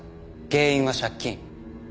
原因は借金。